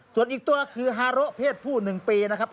ส่วนอีกตัวคือฮาโรเพศผู้๑ปีนะครับ